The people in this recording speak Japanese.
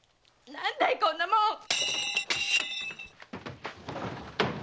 何だいこんなもん！